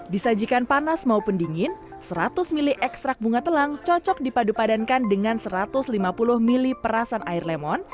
disajikan panas maupun dingin seratus mili ekstrak bunga telang cocok dipadu padankan dengan satu ratus lima puluh mili perasan air lemon